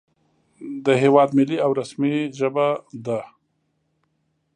په د هېواد ملي او رسمي ژبه ده